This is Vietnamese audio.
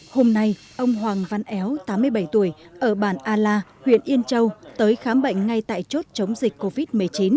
hôm nay ông hoàng văn éo tám mươi bảy tuổi ở bản a la huyện yên châu tới khám bệnh ngay tại chốt chống dịch covid một mươi chín